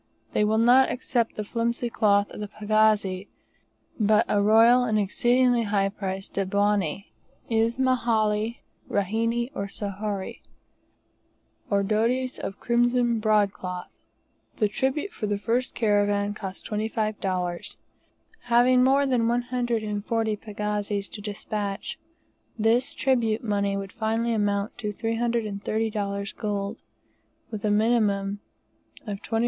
They will not accept the flimsy cloth of the pagazi, but a royal and exceedingly high priced dabwani, Ismahili, Rehani, or a Sohari, or dotis of crimson broad cloth. The tribute for the first caravan cost $25. Having more than one hundred and forty pagazis to despatch, this tribute money would finally amount to $330 in gold, with a minimum of 25c.